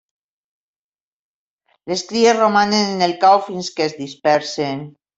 Les cries romanen en el cau fins que es dispersen.